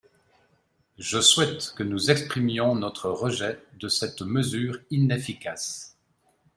Je souhaite que nous exprimions notre rejet de cette mesure inefficace